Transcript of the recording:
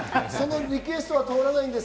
リクエストは通らないんです